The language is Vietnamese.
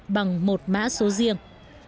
bằng một mã số riêng